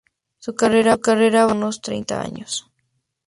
Su carrera abarca unos treinta años.